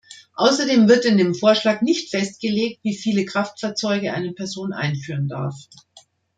Außerdem wird in dem Vorschlag nicht festgelegt, wie viele Kraftfahrzeuge eine Person einführen darf.